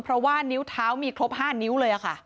เพราะว่านิ้วเท้ามีครบ๕นิ้วเลยค่ะ